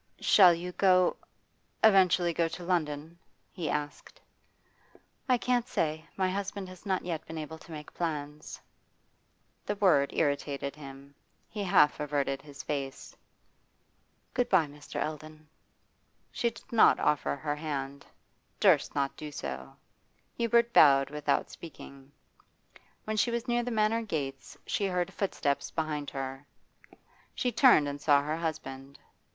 'Shall you go eventually go to London?' he asked. 'I can't say. My husband has not yet been able to make plans.' The word irritated him. He half averted his face. 'Good bye, Mr. Eldon.' She did not offer her hand durst not do so. Hubert bowed without speaking. When she was near the Manor gates she heard footsteps behind her. She turned and saw her husband.